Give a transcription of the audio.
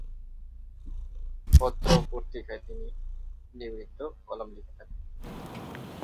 পত্র-পত্রিকায় তিনি নিয়মিত কলাম লিখে থাকেন।